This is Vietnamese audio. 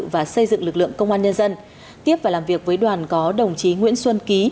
và xây dựng lực lượng công an nhân dân tiếp và làm việc với đoàn có đồng chí nguyễn xuân ký